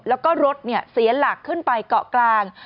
แล้วก็รถเสียหลักขึ้นไปเกาะกลาง